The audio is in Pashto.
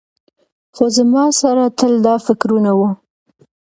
خو زما سره تل دا فکرونه وو.